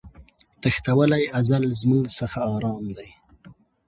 تښتولی ازل زموږ څخه آرام دی